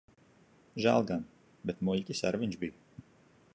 Žēl gan. Bet muļķis ar viņš bij.